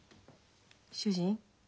主人？